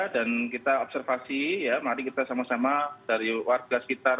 dan kita observasi ya mari kita sama sama dari warga sekitar